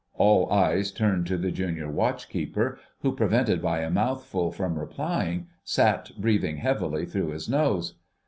All eyes turned to the Junior Watchkeeper, who, prevented by a mouthful from replying, sat breathing heavily through his nose.